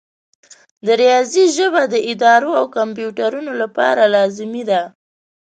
د ریاضي ژبه د ادارو او کمپیوټرونو لپاره لازمي ده.